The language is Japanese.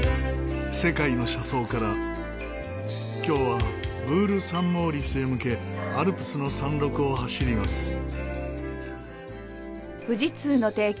今日はブール・サン・モーリスへ向けアルプスの山麓を走ります。